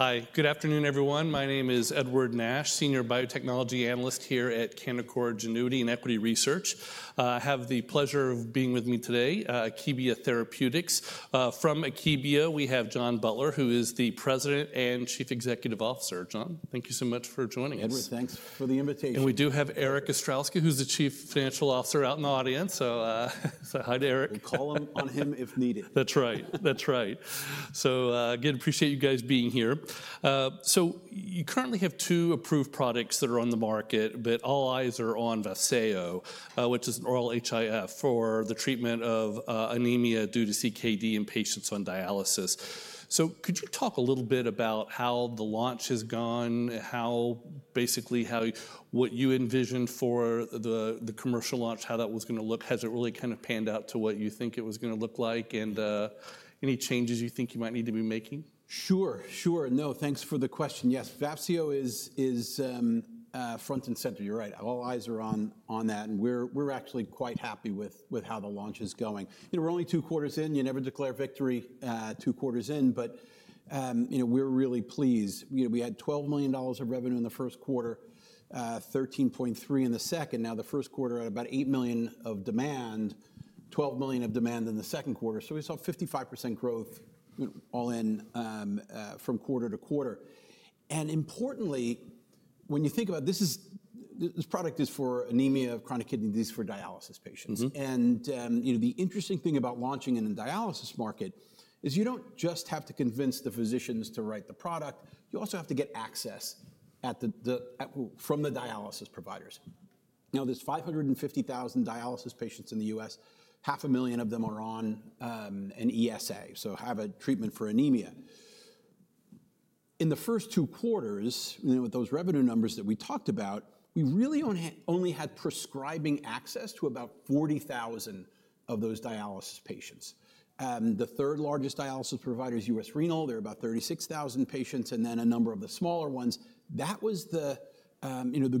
Hi, good afternoon, everyone. My name is Edward Nash, Senior Biotechnology Analyst here at Canaccord Genuity in Equity Research. I have the pleasure of being with me today, Akebia Therapeutics. From Akebia, we have John Butler, who is the President and Chief Executive Officer. John, thank you so much for joining us. Thanks for the invitation. We do have Erik Ostrowski, who's the Chief Financial Officer out in the audience. Say hi to Erik. We'll call on him if needed. That's right. That's right. I appreciate you guys being here. You currently have two approved products that are on the market, but all eyes are on Vafseo, which is an oral HIF-PHI for the treatment of anemia due to CKD in patients on dialysis. Could you talk a little bit about how the launch has gone, how what you envisioned for the commercial launch, how that was going to look? Has it really kind of panned out to what you think it was going to look like, and any changes you think you might need to be making? Sure. No, thanks for the question. Yes, Vafseo is front and center. You're right. All eyes are on that. We're actually quite happy with how the launch is going. You know, we're only two quarters in. You never declare victory two quarters in, but, you know, we're really pleased. You know, we had $12 million of revenue in the first quarter, $13.3 million in the second. Now, the first quarter had about $8 million of demand, $12 million of demand in the second quarter. We saw 55% growth, all in, from quarter-to-quarter. Importantly, when you think about this, this product is for anemia of chronic kidney disease for dialysis patients. The interesting thing about launching in the dialysis market is you don't just have to convince the physicians to write the product. You also have to get access from the dialysis providers. Now, there's 550,000 dialysis patients in the U.S. Half a million of them are on an ESA, so have a treatment for anemia. In the first two quarters, with those revenue numbers that we talked about, we really only had prescribing access to about 40,000 of those dialysis patients. The third largest dialysis provider is U.S. Renal. They're about 36,000 patients, and then a number of the smaller ones. That was the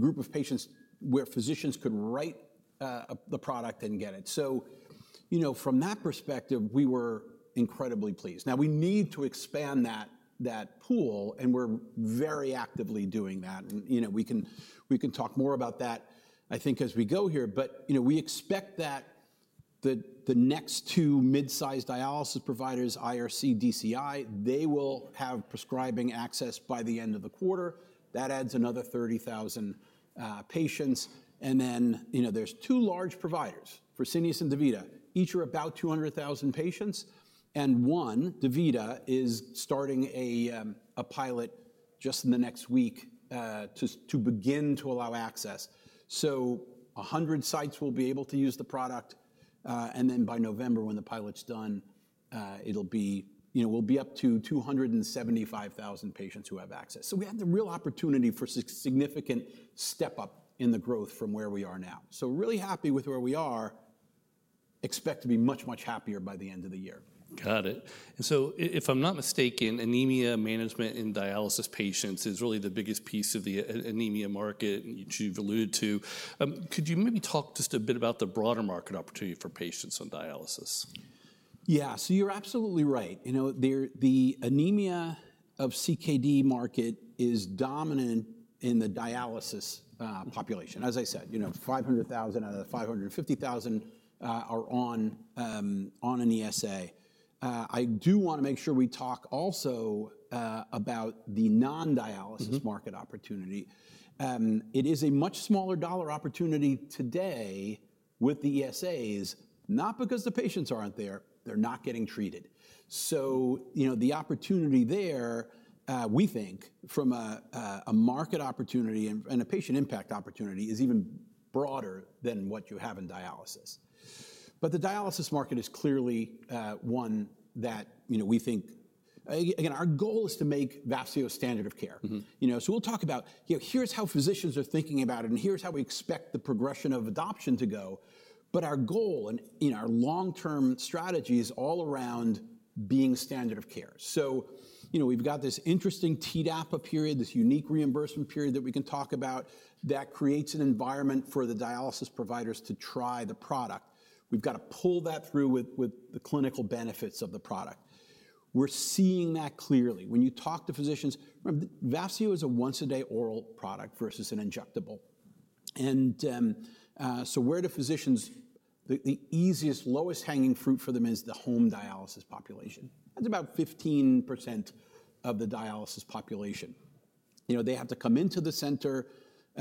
group of patients where physicians could write the product and get it. From that perspective, we were incredibly pleased. Now, we need to expand that pool, and we're very actively doing that. We can talk more about that, I think, as we go here. We expect that the next two mid-sized dialysis providers, IRC and DCI, will have prescribing access by the end of the quarter. That adds another 30,000 patients. There are two large providers, Fresenius and DaVita. Each are about 200,000 patients. One, DaVita, is starting a pilot just in the next week to begin to allow access. 100 sites will be able to use the product, and then by November, when the pilot's done, we'll be up to 275,000 patients who have access. We have the real opportunity for a significant step up in the growth from where we are now. Really happy with where we are. Expect to be much, much happier by the end of the year. Got it. If I'm not mistaken, anemia management in dialysis patients is really the biggest piece of the anemia market, which you've alluded to. Could you maybe talk just a bit about the broader market opportunity for patients on dialysis? Yeah, so you're absolutely right. You know, the anemia of CKD market is dominant in the dialysis population. As I said, 500,000 out of the 550,000 are on an USA. I do want to make sure we talk also about the non-dialysis market opportunity. It is a much smaller dollar opportunity today with the ESAs, not because the patients aren't there. They're not getting treated. You know, the opportunity there, we think, from a market opportunity and a patient impact opportunity is even broader than what you have in dialysis. The dialysis market is clearly one that, you know, we think, again, our goal is to make Vafseo standard of care. You know, we'll talk about, you know, here's how physicians are thinking about it, and here's how we expect the progression of adoption to go. Our goal and, you know, our long-term strategy is all around being standard of care. You know, we've got this interesting Tdap period, this unique reimbursement period that we can talk about that creates an environment for the dialysis providers to try the product. We've got to pull that through with the clinical benefits of the product. We're seeing that clearly. When you talk to physicians, Vafseo is a once-a-day oral product versus an injectable. Where physicians, the easiest, lowest hanging fruit for them is the home dialysis population. That's about 15% of the dialysis population. You know, they have to come into the center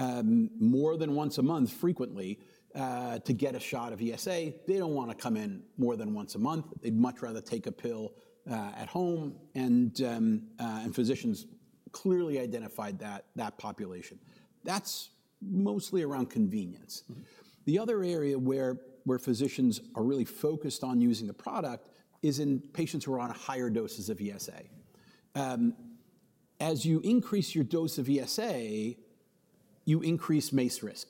more than once a month frequently to get a shot of ESA. They don't want to come in more than once a month. They'd much rather take a pill at home. Physicians clearly identified that population. That's mostly around convenience. The other area where physicians are really focused on using the product is in patients who are on higher doses of ESA. As you increase your dose of ESA, you increase MACE risk.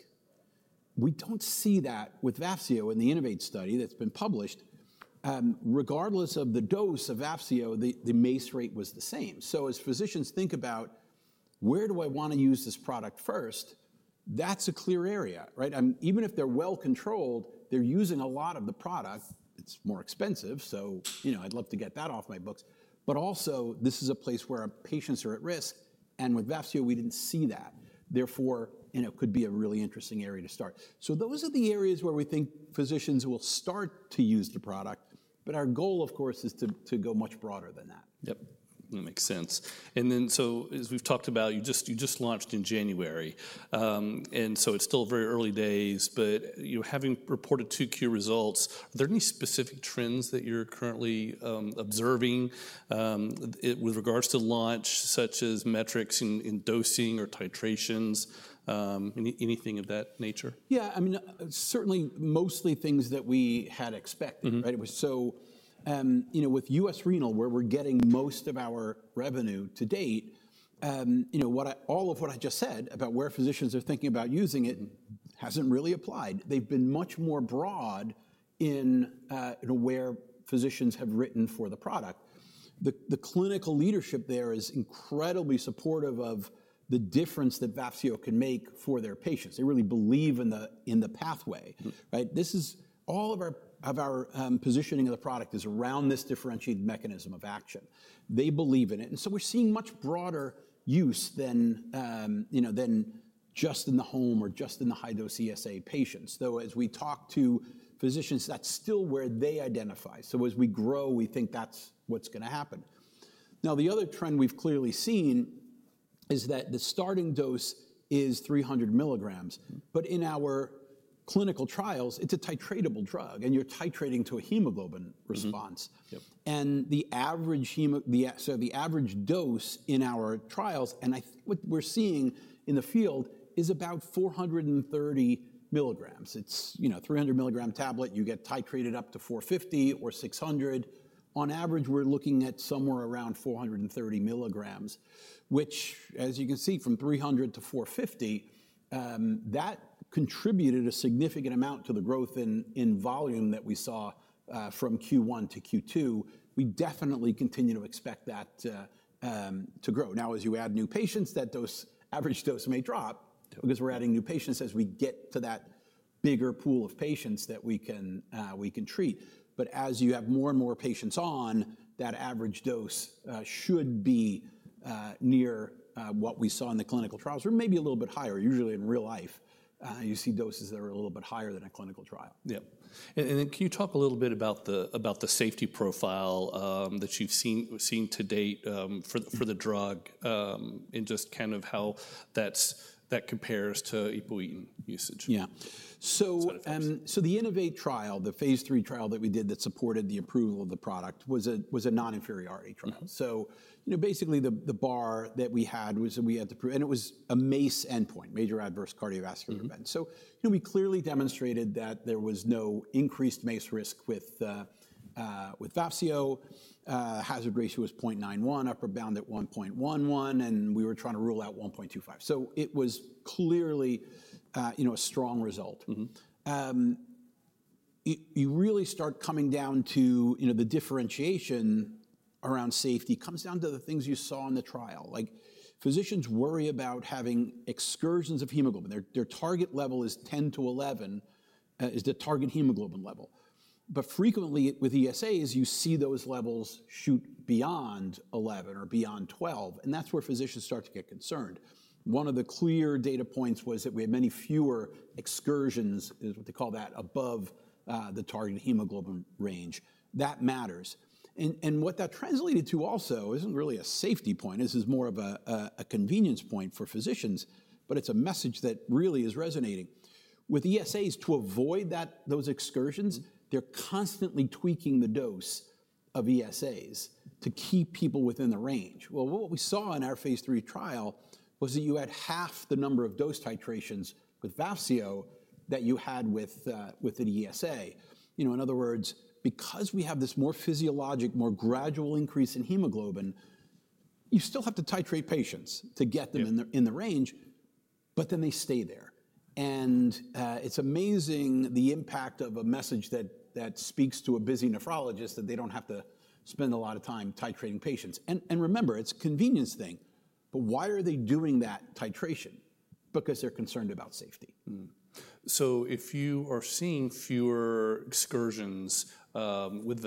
We don't see that with Vafseo in the INNOVATE study that's been published. Regardless of the dose of Vafseo, the MACE rate was the same. As physicians think about where do I want to use this product first, that's a clear area, right? I mean, even if they're well controlled, they're using a lot of the product. It's more expensive. You know, I'd love to get that off my books. Also, this is a place where patients are at risk. With Vafseo, we didn't see that. Therefore, it could be a really interesting area to start. Those are the areas where we think physicians will start to use the product. Our goal, of course, is to go much broader than that. Yep, that makes sense. As we've talked about, you just launched in January, and so it's still very early days, but you're having reported two key results. Are there any specific trends that you're currently observing with regards to launch, such as metrics in dosing or titrations, anything of that nature? Yeah, I mean, certainly mostly things that we had expected, right? With U.S. Renal, where we're getting most of our revenue to date, what I just said about where physicians are thinking about using it hasn't really applied. They've been much more broad in where physicians have written for the product. The clinical leadership there is incredibly supportive of the difference that Vafseo can make for their patients. They really believe in the pathway, right? All of our positioning of the product is around this differentiated mechanism of action. They believe in it. We're seeing much broader use than just in the home or just in the high dose ESA patients. As we talk to physicians, that's still where they identify. As we grow, we think that's what's going to happen. Now, the other trend we've clearly seen is that the starting dose is 300 milligrams. In our clinical trials, it's a titratable drug, and you're titrating to a hemoglobin response. The average dose in our trials, and I think what we're seeing in the field, is about 430 milligrams. It's a 300 milligram tablet. You get titrated up to 450 or 600. On average, we're looking at somewhere around 430 milligrams, which, as you can see, from 300-450, that contributed a significant amount to the growth in volume that we saw from Q1-Q2. We definitely continue to expect that to grow. As you add new patients, that average dose may drop because we're adding new patients as we get to that bigger pool of patients that we can treat. As you have more and more patients on, that average dose should be near what we saw in the clinical trials or maybe a little bit higher. Usually, in real life, you see doses that are a little bit higher than a clinical trial. Can you talk a little bit about the safety profile that you've seen to date for the drug, and just kind of how that compares to ESA usage? Yeah. The INOVAIT trial, the phase three trial that we did that supported the approval of the product, was a non-inferiority trial. You know, basically, the bar that we had was that we had to prove, and it was a MACE endpoint, major adverse cardiovascular event. We clearly demonstrated that there was no increased MACE risk with Vafseo. Hazard ratio was 0.91, upper bound at 1.11, and we were trying to rule out 1.25. It was clearly a strong result. You really start coming down to the differentiation around safety, which comes down to the things you saw in the trial. Physicians worry about having excursions of hemoglobin. Their target level is 10-11, is the target hemoglobin level. Frequently, with ESAs, you see those levels shoot beyond 11 or beyond 12, and that's where physicians start to get concerned. One of the clear data points was that we had many fewer excursions, is what they call that, above the target hemoglobin range. That matters. What that translated to also isn't really a safety point. This is more of a convenience point for physicians, but it's a message that really is resonating. With ESAs, to avoid those excursions, they're constantly tweaking the dose of ESAs to keep people within the range. What we saw in our phase three trial was that you had half the number of dose titrations with Vafseo that you had with an ESA. In other words, because we have this more physiologic, more gradual increase in hemoglobin, you still have to titrate patients to get them in the range, but then they stay there. It's amazing the impact of a message that speaks to a busy nephrologist that they don't have to spend a lot of time titrating patients. Remember, it's a convenience thing. Why are they doing that titration? Because they're concerned about safety. If you are seeing fewer excursions with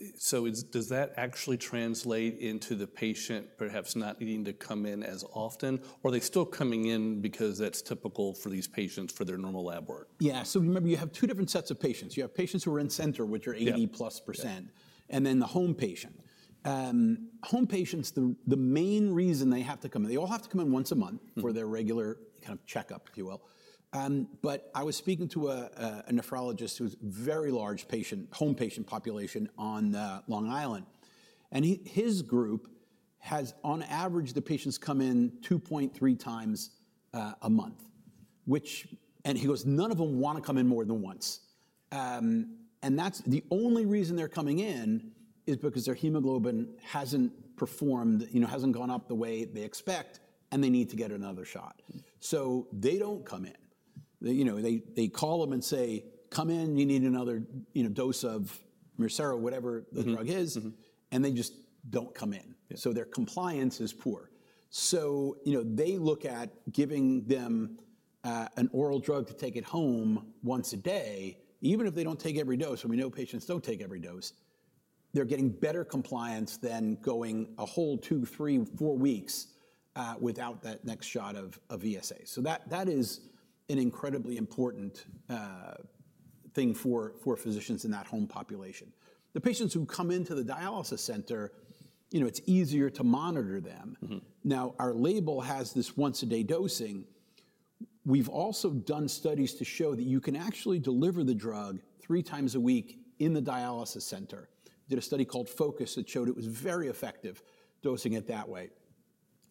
Vafseo, does that actually translate into the patient perhaps not needing to come in as often? Are they still coming in because that's typical for these patients for their normal lab work? Yeah, so remember, you have two different sets of patients. You have patients who are in center, which are 80+%, and then the home patient. Home patients, the main reason they have to come in, they all have to come in once a month for their regular kind of checkup, if you will. I was speaking to a nephrologist who has a very large home patient population on Long Island. His group has, on average, the patients come in 2.3x a month, which, and he goes, none of them want to come in more than once. That's the only reason they're coming in, because their hemoglobin hasn't performed, you know, hasn't gone up the way they expect, and they need to get another shot. They don't come in. They call them and say, come in, you need another, you know, dose of Mircera, whatever the drug is, and they just don't come in. Their compliance is poor. They look at giving them an oral drug to take at home once a day, even if they don't take every dose. We know patients don't take every dose. They're getting better compliance than going a whole two, three, four weeks without that next shot of ESA. That is an incredibly important thing for physicians in that home population. The patients who come into the dialysis center, it's easier to monitor them. Now, our label has this once-a-day dosing. We've also done studies to show that you can actually deliver the drug three times a week in the dialysis center. Did a study called FoCUS that showed it was very effective dosing it that way.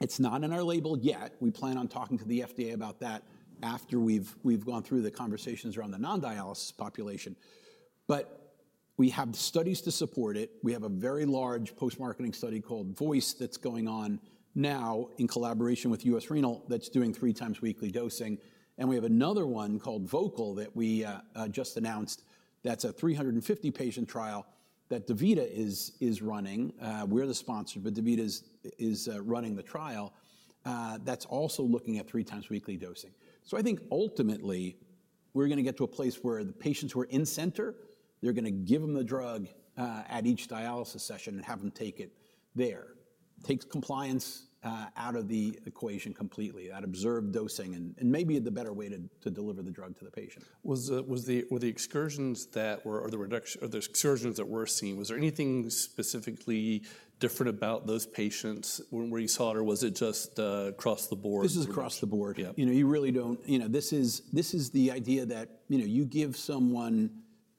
It's not in our label yet. We plan on talking to the FDA about that after we've gone through the conversations around the non-dialysis population. We have studies to support it. We have a very large post-marketing study called VOICE that's going on now in collaboration with U.S. Renal that's doing three times weekly dosing. We have another one called VOCAL that we just announced that's a 350-patient trial that DaVita is running. We're the sponsor, but DaVita is running the trial that's also looking at three times weekly dosing. I think ultimately, we're going to get to a place where the patients who are in center, they're going to give them the drug at each dialysis session and have them take it there. Takes compliance out of the equation completely, that observed dosing, and maybe the better way to deliver the drug to the patient. Were the excursions that were seen, was there anything specifically different about those patients where you saw it, or was it just across the board? This is across the board. You really don't, you know, this is the idea that you give someone,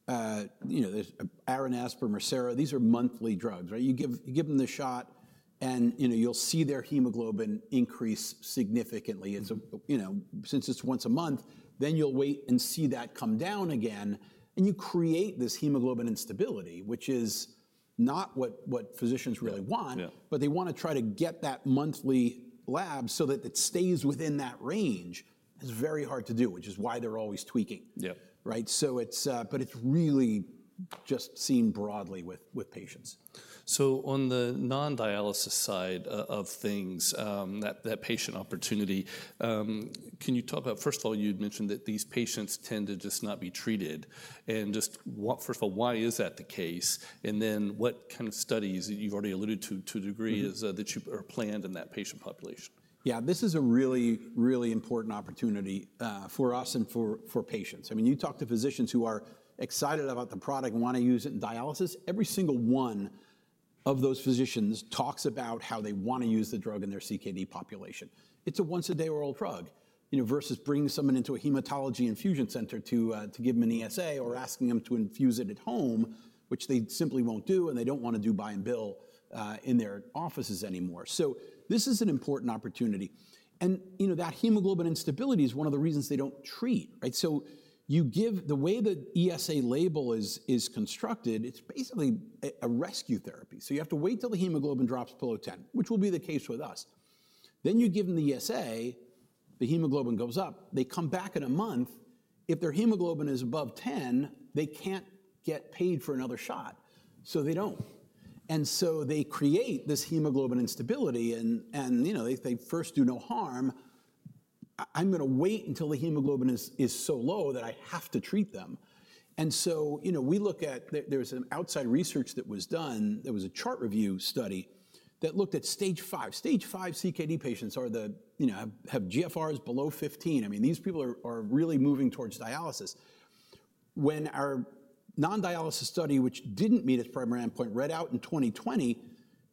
you know, there's Aranesp or Mircera. These are monthly drugs, right? You give them the shot, and you'll see their hemoglobin increase significantly. It's a, you know, since it's once a month, then you'll wait and see that come down again. You create this hemoglobin instability, which is not what physicians really want, but they want to try to get that monthly lab so that it stays within that range. It's very hard to do, which is why they're always tweaking. Yep. Right, it's really just seen broadly with patients. On the non-dialysis side of things, that patient opportunity, can you talk about, first of all, you'd mentioned that these patients tend to just not be treated. First of all, why is that the case? What kind of studies that you've already alluded to, to a degree, is that you are planned in that patient population? Yeah, this is a really, really important opportunity for us and for patients. I mean, you talk to physicians who are excited about the product and want to use it in dialysis. Every single one of those physicians talks about how they want to use the drug in their CKD population. It's a once-a-day oral drug, you know, versus bringing someone into a hematology infusion center to give them an ESA or asking them to infuse it at home, which they simply won't do, and they don't want to do buy and bill in their offices anymore. This is an important opportunity. That hemoglobin instability is one of the reasons they don't treat, right? You give the way the ESA label is constructed, it's basically a rescue therapy. You have to wait till the hemoglobin drops below 10, which will be the case with us. Then you give them the ESA, the hemoglobin goes up. They come back in a month. If their hemoglobin is above 10, they can't get paid for another shot. They don't. They create this hemoglobin instability. If they first do no harm, I'm going to wait until the hemoglobin is so low that I have to treat them. We look at there's an outside research that was done. There was a chart review study that looked at stage five. Stage five CKD patients have GFRs below 15. I mean, these people are really moving towards dialysis. When our non-dialysis study, which didn't meet its primary endpoint, read out in 2020,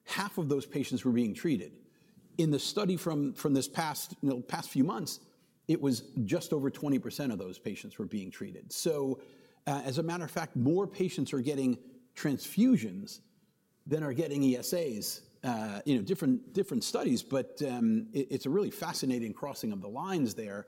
half of those patients were being treated. In the study from this past few months, it was just over 20% of those patients were being treated. As a matter of fact, more patients are getting transfusions than are getting ESAs, different studies. It's a really fascinating crossing of the lines there,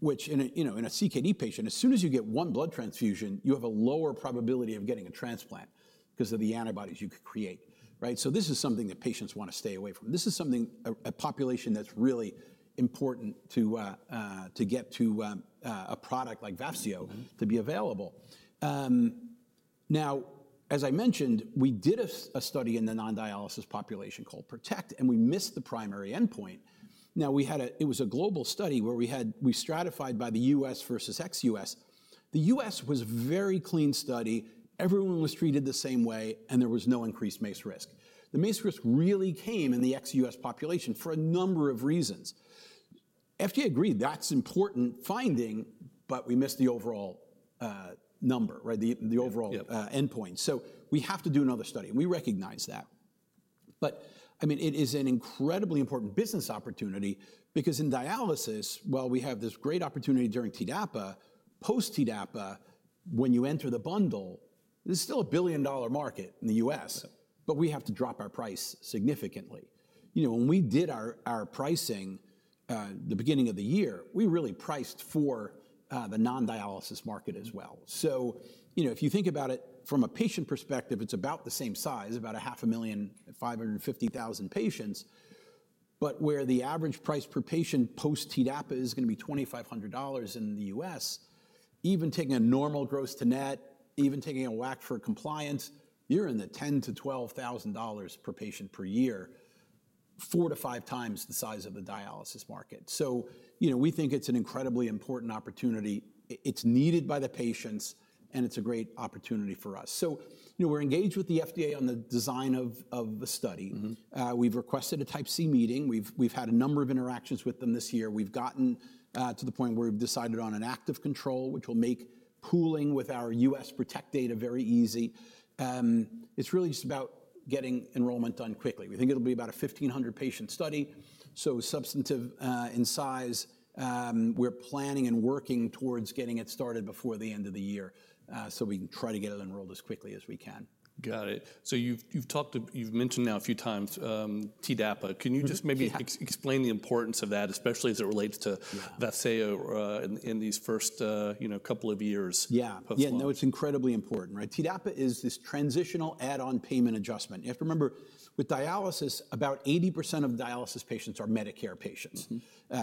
which, in a CKD patient, as soon as you get one blood transfusion, you have a lower probability of getting a transplant because of the antibodies you could create, right? This is something that patients want to stay away from. This is something, a population that's really important to get to, a product like Vafseo to be available. Now, as I mentioned, we did a study in the non-dialysis population called PROTECT, and we missed the primary endpoint. We had a, it was a global study where we stratified by the U.S. vs ex-U.S. The U.S. was a very clean study. Everyone was treated the same way, and there was no increased MACE risk. The MACE risk really came in the ex-U.S. population for a number of reasons. FDA agreed that's an important finding, but we missed the overall number, right? The overall endpoint. We have to do another study, and we recognize that. It is an incredibly important business opportunity because in dialysis, while we have this great opportunity during Tdap, post-Tdap, when you enter the bundle, there's still a billion-dollar market in the U.S., but we have to drop our price significantly. When we did our pricing at the beginning of the year, we really priced for the non-dialysis market as well. If you think about it from a patient perspective, it's about the same size, about a half a million, 550,000 patients. Where the average price per patient post-Tdap is going to be $2,500 in the U.S., even taking a normal gross to net, even taking a WACC for compliance, you're in the $10,000-$12,000 per patient per year, four to five times the size of the dialysis market. We think it's an incredibly important opportunity. It's needed by the patients, and it's a great opportunity for us. We're engaged with the FDA on the design of the study. We've requested a Type C meeting. We've had a number of interactions with them this year. We've gotten to the point where we've decided on an active control, which will make pooling with our U.S. PROTECT data very easy. It's really just about getting enrollment done quickly. We think it'll be about a 1,500-patient study, so substantive in size. We're planning and working towards getting it started before the end of the year, so we can try to get it enrolled as quickly as we can. Got it. You've mentioned now a few times, Tdap. Can you just maybe explain the importance of that, especially as it relates to Vafseo in these first, you know, couple of years? Yeah, yeah, no, it's incredibly important, right? Tdap is this transitional add-on payment adjustment. You have to remember, with dialysis, about 80% of dialysis patients are Medicare patients,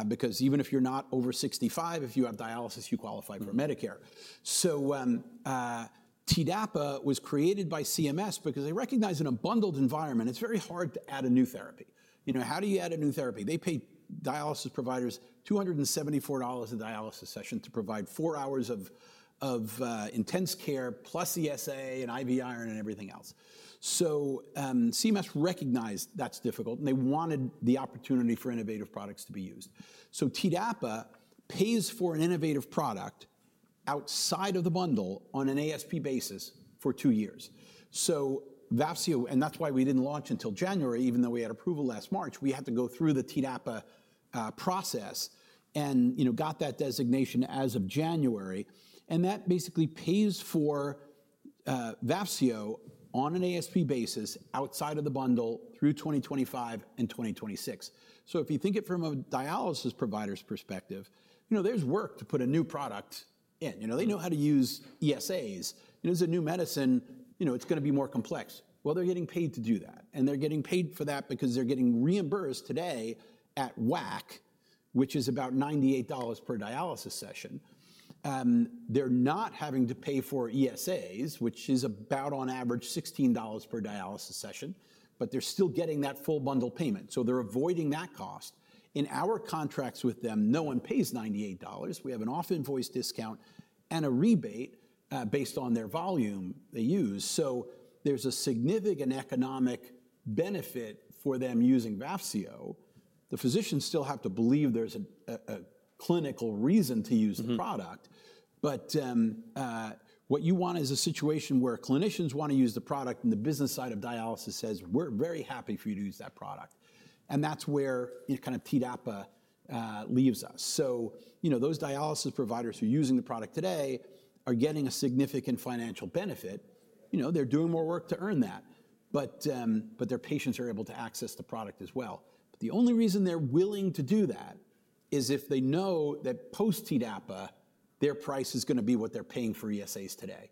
because even if you're not over 65, if you have dialysis, you qualify for Medicare. Tdap was created by CMS because they recognize in a bundled environment, it's very hard to add a new therapy. You know, how do you add a new therapy? They pay dialysis providers $274 a dialysis session to provide four hours of intense care, plus ESA and IV iron and everything else. CMS recognized that's difficult, and they wanted the opportunity for innovative products to be used. Tdap pays for an innovative product outside of the bundle on an ASP basis for two years. Vafseo, and that's why we didn't launch until January, even though we had approval last March. We had to go through the Tdap process and got that designation as of January. That basically pays for Vafseo on an ASP basis outside of the bundle through 2025 and 2026. If you think it from a dialysis provider's perspective, there's work to put a new product in. They know how to use ESAs. It is a new medicine. It's going to be more complex. They're getting paid to do that. They're getting paid for that because they're getting reimbursed today at WACC, which is about $98 per dialysis session. They're not having to pay for ESAs, which is about on average $16 per dialysis session. They're still getting that full bundle payment. They're avoiding that cost. In our contracts with them, no one pays $98. We have an off-invoice discount and a rebate based on their volume they use. There's a significant economic benefit for them using Vafseo. The physicians still have to believe there's a clinical reason to use the product. What you want is a situation where clinicians want to use the product and the business side of dialysis says, we're very happy for you to use that product. That's where Tdap leaves us. Those dialysis providers who are using the product today are getting a significant financial benefit. They're doing more work to earn that. Their patients are able to access the product as well. The only reason they're willing to do that is if they know that post-Tdap, their price is going to be what they're paying for ESAs today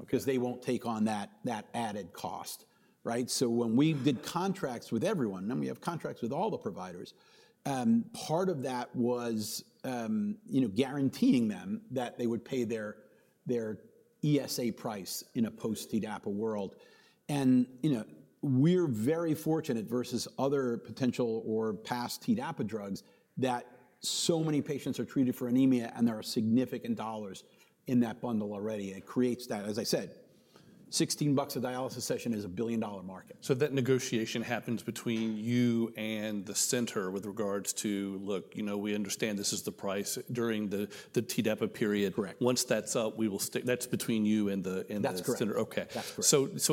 because they won't take on that added cost, right? When we did contracts with everyone, and we have contracts with all the providers, part of that was guaranteeing them that they would pay their ESA price in a post-Tdap world. We're very fortunate vs other potential or past Tdap drugs that so many patients are treated for anemia, and there are significant dollars in that bundle already. It creates that, as I said, $16 a dialysis session is a billion-dollar market. That negotiation happens between you and the center with regards to, look, you know, we understand this is the price during the Tdap period. Once that's up, we will stick, that's between you and the center. That's correct. Okay.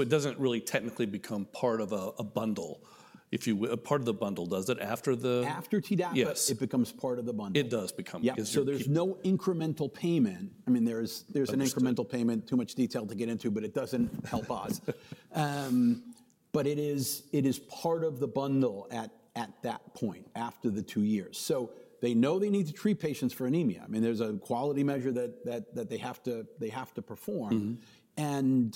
It doesn't really technically become part of a bundle, if you will. Part of the bundle, does it after the. After Tdap, it becomes part of the bundle. It does become. Yeah. There's no incremental payment. I mean, there's an incremental payment, too much detail to get into, but it doesn't help us. It is part of the bundle at that point after the two years. They know they need to treat patients for anemia. I mean, there's a quality measure that they have to perform, and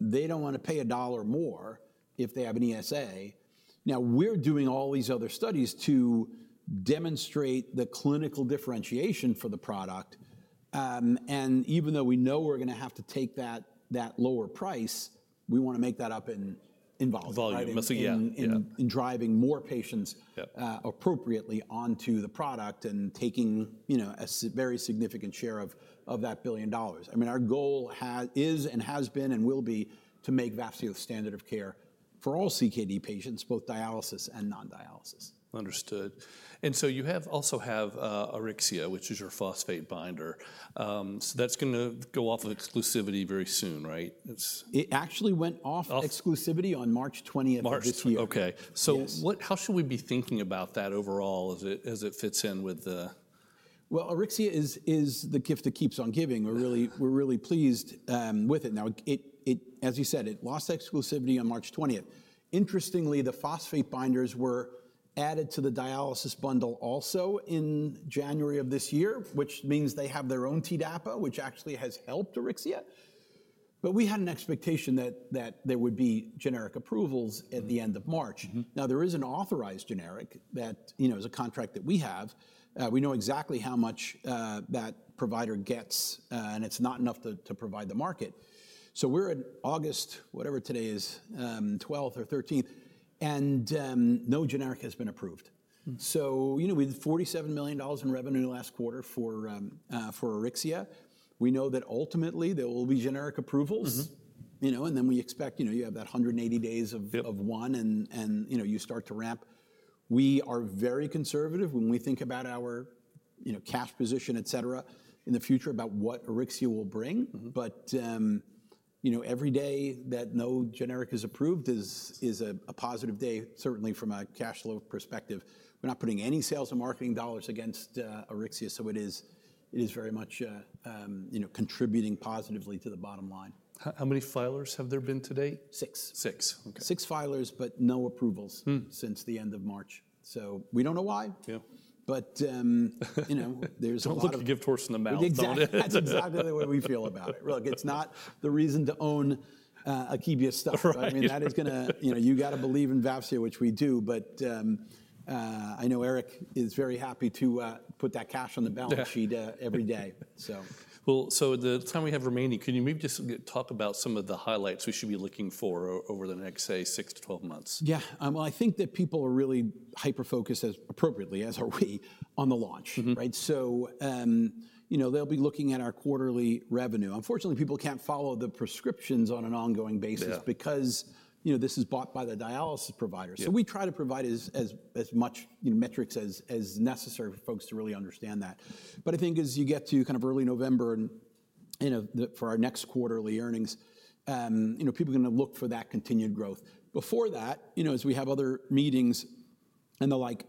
they don't want to pay a dollar more if they have an ESA. Now, we're doing all these other studies to demonstrate the clinical differentiation for the product, and even though we know we're going to have to take that lower price, we want to make that up in volume. Volume, I see. Yeah. In driving more patients appropriately onto the product and taking, you know, a very significant share of that $1 billion. I mean, our goal is and has been and will be to make Vafseo standard of care for all CKD patients, both dialysis and non-dialysis. Understood. You also have Auryxia, which is your phosphate binder. That's going to go off of exclusivity very soon, right? It actually went off exclusivity on March 20, 2024. Okay, how should we be thinking about that overall as it fits in with the. Auryxia is the gift that keeps on giving. We're really pleased with it. It, as you said, lost exclusivity on March 20. Interestingly, the phosphate binders were added to the dialysis bundle also in January of this year, which means they have their own Tdap, which actually has helped Auryxia. We had an expectation that there would be generic approvals at the end of March. There is an authorized generic that, you know, is a contract that we have. We know exactly how much that provider gets, and it's not enough to provide the market. We're in August, whatever today is, 12th or 13th, and no generic has been approved. You know, we had $47 million in revenue last quarter for Auryxia. We know that ultimately there will be generic approval, and then we expect, you know, you have that 180 days of one, and you know, you start to ramp. We are very conservative when we think about our, you know, cash position, et cetera, in the future about what Auryxia will bring. You know, every day that no generic is approved is a positive day, certainly from a cash flow perspective. We're not putting any sales and marketing dollars against Auryxia. It is very much, you know, contributing positively to the bottom line. How many filers have there been to date? Six. Six. Okay. Six filers, but no approvals since the end of March. We don't know why. Yeah. There's a little. A gift horse in the mouth. That's exactly the way we feel about it. Look, it's not the reason to own Akebia stuff. I mean, that is going to, you know, you got to believe in Vafseo, which we do. I know Erik is very happy to put that cash on the balance sheet every day. Can you maybe just talk about some of the highlights we should be looking for over the next, say, 6-12 months? Yeah. I think that people are really hyper-focused, as appropriately, as are we, on the launch, right? They'll be looking at our quarterly revenue. Unfortunately, people can't follow the prescriptions on an ongoing basis because this is bought by the dialysis provider. We try to provide as much, you know, metrics as necessary for folks to really understand that. I think as you get to kind of early November and for our next quarterly earnings, people are going to look for that continued growth. Before that, as we have other meetings and the like,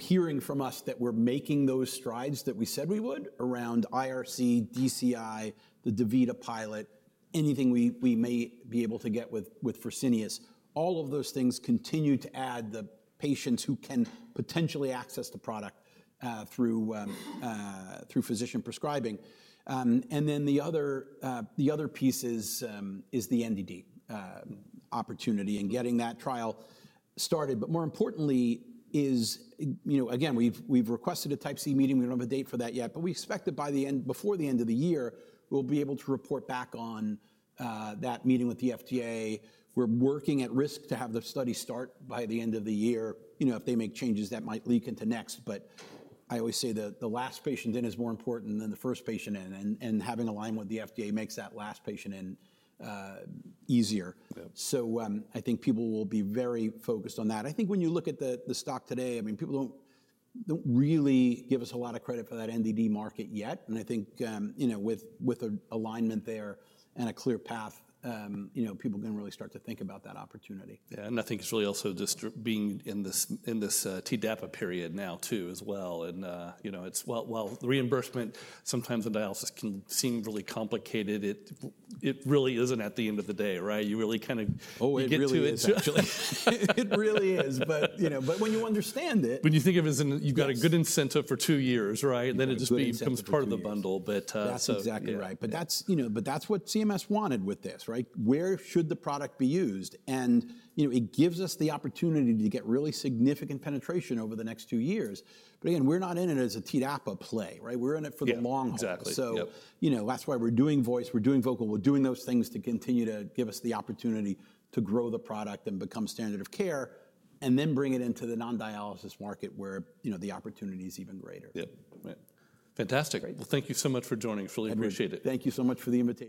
hearing from us that we're making those strides that we said we would around IRC, DCI, the DaVita pilot, anything we may be able to get with Fresenius, all of those things continue to add the patients who can potentially access the product through physician prescribing. The other piece is the NDD opportunity and getting that trial started. More importantly, we've requested a Type C meeting. We don't have a date for that yet. We expect that before the end of the year, we'll be able to report back on that meeting with the FDA. We're working at risk to have the study start by the end of the year. If they make changes, that might leak into next. I always say that the last patient in is more important than the first patient in. Having alignment with the FDA makes that last patient in easier. I think people will be very focused on that. I think when you look at the stock today, people don't really give us a lot of credit for that NDD market yet. I think with an alignment there and a clear path, people are going to really start to think about that opportunity. Yeah, I think it's really also just being in this Tdap period now too as well. You know, the reimbursement sometimes in dialysis can seem really complicated. It really isn't at the end of the day, right? You really kind of. Oh, it really is. It really is. When you understand it. You think of it as you've got a good incentive for two years, right? It just becomes part of the bundle. That's exactly right. That's what CMS wanted with this, right? Where should the product be used? It gives us the opportunity to get really significant penetration over the next two years. Again, we're not in it as a Tdap play, right? We're in it for the long term. Exactly. That's why we're doing VOICE, we're doing VOCAL, we're doing those things to continue to give us the opportunity to grow the product and become standard of care, and then bring it into the non-dialysis market where the opportunity is even greater. Yeah. Fantastic. Thank you so much for joining. I really appreciate it. Thank you so much for the invitation.